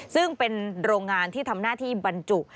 ซึ่งเป็นโรงงานที่ทำหน้าที่บรรจุ